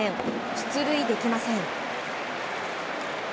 出塁できません。